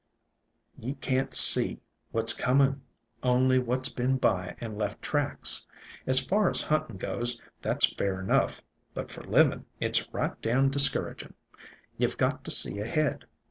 Ye can't see what 's comin', only what 's been by and left tracks. As far as huntin' goes, that 's fair enough; but for livin', it 's right down discouragin'. You 've got to see ahead.